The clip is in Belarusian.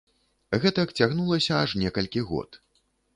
Гэтак цягнулася аж некалькі год.